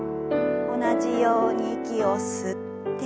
同じように息を吸って。